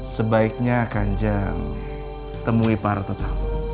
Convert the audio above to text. sebaiknya kanjang temui para tetamu